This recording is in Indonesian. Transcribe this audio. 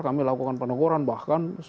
kami lakukan peneguran bahkan